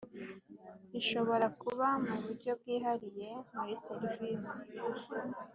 ishobora kuba mu buryo bwihariye muri serivisi